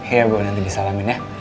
ya gue nanti disalamin ya